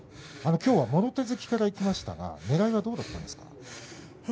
きょうはもろ手突きからいきましたがねらいはどうだったんですか。